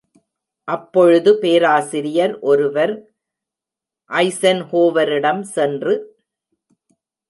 அப்பொழுது, பேராசிரியர் ஒருவர் ஐஸன்ஹோவரிடம் சென்று.